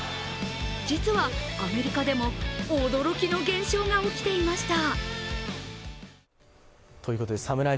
実は、アメリカでも驚きの現象が起きていました。